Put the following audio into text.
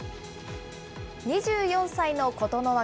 ２４歳の琴ノ若。